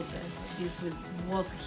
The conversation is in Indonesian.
tapi banyak yang tidak tahu